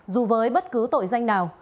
dù với bất cứ tội danh nào